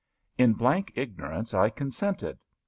In blank ignorance I consented.